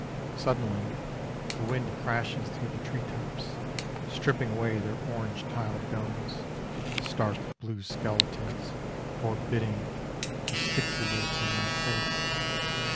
Suddenly The wind crashes through the tree tops, Stripping away their orange tiled domes; Stark blue skeletons, forbidding Gesticulate in my face.